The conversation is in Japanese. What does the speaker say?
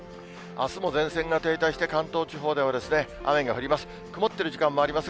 あすも前線が停滞して関東地方では雨が降ります。